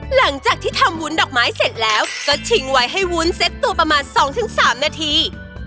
หลังจากที่ทำวุ้นดอกไม้เสร็จแล้วก็ชิงไว้ให้วุ้นเซ็ตตัวประมาณ๒๓นาที